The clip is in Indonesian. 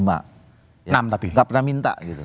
nggak pernah minta gitu